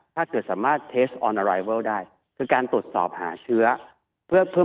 ถ้าเกิดสามารถได้คือการตรวจสอบหาเชื้อเพื่อเพื่อ